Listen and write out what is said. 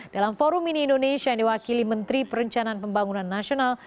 dalam forum ini indonesia yang diwakili menteri perencanaan pembangunan nasional